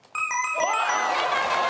正解です！